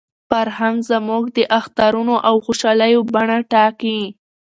فرهنګ زموږ د اخترونو او خوشالیو بڼه ټاکي.